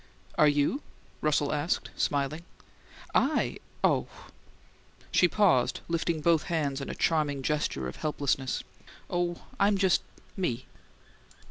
"Are you?" Russell asked, smiling. "I? Oh " She paused, lifting both hands in a charming gesture of helplessness. "Oh, I'm just me!"